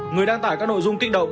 người đang tải các nội dung kích động